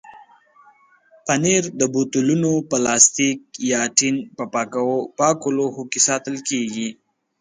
پنېر د بوتلونو، پلاستیک یا ټین په پاکو لوښو کې ساتل کېږي.